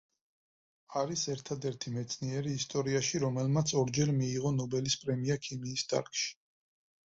არის ერთადერთი მეცნიერი ისტორიაში, რომელმაც ორჯერ მიიღო ნობელის პრემია ქიმიის დარგში.